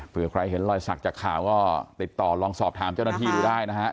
เพื่อใครเห็นรอยสักจากข่าวก็ติดต่อลองสอบถามเจ้าหน้าที่ดูได้นะฮะ